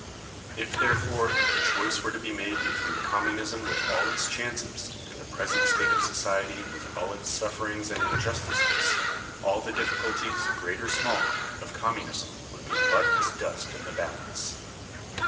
(146) If, therefore, the choice were to be made between Communism with all its chances and the present state of society with all its sufferings and injustices, all the difficulties, great or small, of Communism, would be but as dust in the balance.